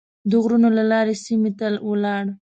د غرونو له لارې سیمې ته ولاړ.